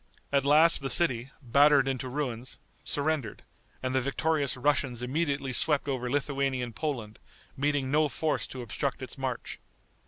At last the city, battered into ruins, surrendered, and the victorious Russians immediately swept over Lithuanian Poland, meeting no force to obstruct its march.